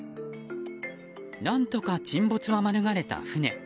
何とか沈没は免れた船。